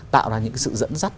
tạo ra những sự dẫn dắt